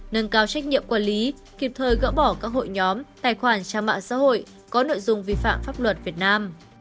nâng cao trách nhiệm quản lý kịp thời gỡ bỏ các hội nhóm tài khoản trang mạng xã hội có nội dung vi phạm pháp luật việt nam